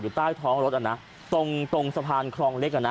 ใต้ท้องรถอ่ะนะตรงตรงสะพานคลองเล็กอ่ะนะ